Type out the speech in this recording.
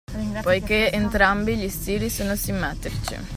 Poichè entrambi gli stili sono “simmetrici”